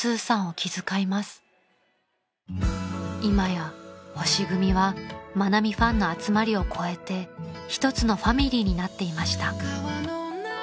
［今や星組は愛美ファンの集まりを超えて一つのファミリーになっていました］